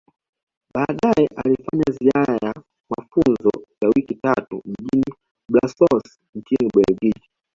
Baadae alifanya ziara ya mafunzo ya wiki tatu mjini Blasous nchini Ubeljiji